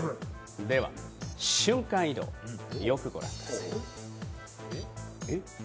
では瞬間移動、よくご覧ください。